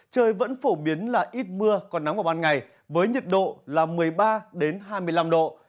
trời vẫn phổ biến là ít mưa còn nắng vào ban ngày với nhiệt độ là một mươi ba hai mươi năm độ